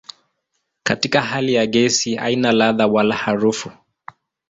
Katika hali ya gesi haina ladha wala harufu.